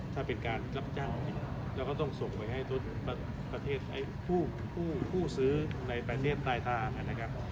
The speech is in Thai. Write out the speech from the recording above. ถ้าเป็นการรับจ้างจริงเราก็ต้องส่งไปให้ทุกประเทศผู้ซื้อในประเทศใต้ทางนะครับ